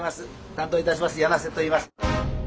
担当いたします簗瀬といいます。